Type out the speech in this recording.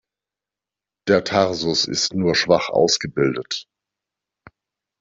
Der Tarsus ist nur schwach ausgebildet.